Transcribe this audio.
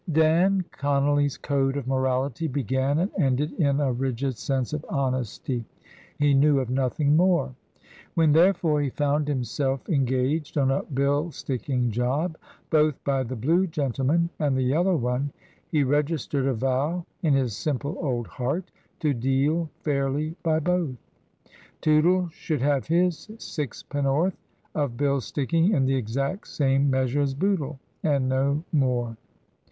Dan Conolly's code of morality began and ended in a rigid sense of honesty. He knew of nothing more. When, 18* 2IO TRANSITION. therefore, he found himself engaged on a bill sticking job both by the Blue gentleman and the Yellow one, he regis tered a vow in his simple old heart to deal fairly by both. Tootle should have his sixpennorth of bill sticking in the exact same measure as Bootle, and no more.